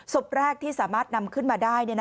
ศพแรกที่สามารถนำขึ้นมาได้